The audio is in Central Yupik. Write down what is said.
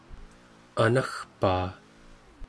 anagpaa!